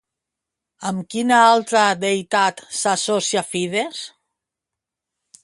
Amb quina altra deïtat s'associa Fides?